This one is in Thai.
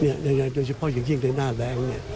โดยเฉพาะอย่างยิ่งในหน้าแรง